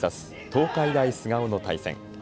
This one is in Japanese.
東海大菅生の対戦。